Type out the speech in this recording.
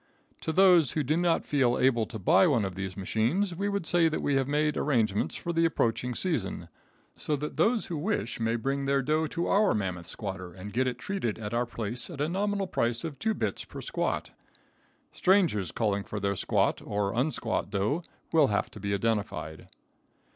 To those who do not feel able to buy one of these machines, we would say that we have made arrangements for the approaching season, so that those who wish may bring their dough to our mammoth squatter and get it treated at our place at the nominal price of two bits per squat. Strangers calling for their squat or unsquat dough, will have to be identified.